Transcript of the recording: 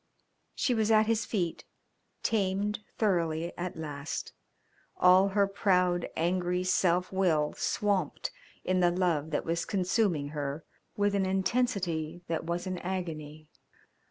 She was at his feet, tamed thoroughly at last, all her proud, angry self will swamped in the love that was consuming her with an intensity that was an agony.